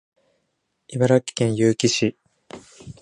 茨城県結城市